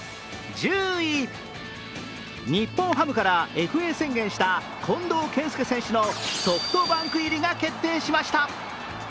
日本ハムからＦＡ宣言した近藤健介選手のソフトバンク入りが決定しました。